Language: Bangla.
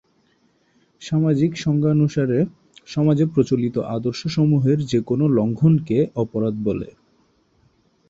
সামাজিক সংজ্ঞানুসারে সমাজে প্রচলিত আদর্শসমূহের যে কোনো লঙ্ঘণকে অপরাধ বলে।